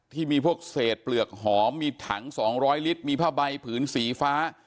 ที่มีพวกเศษเปลือกหอมมีถัง๒๐๐ลิตรมีผ้าใบผืนสีฟ้า